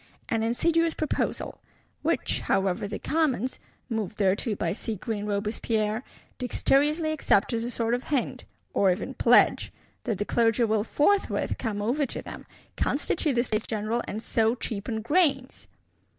An insidious proposal; which, however, the Commons (moved thereto by seagreen Robespierre) dexterously accept as a sort of hint, or even pledge, that the Clergy will forthwith come over to them, constitute the States General, and so cheapen grains!